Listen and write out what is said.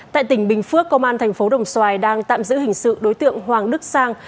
tại tỉnh bình phước công an thành phố đồng xoài đang tạm giữ hình sự đối tượng hoàng đức sang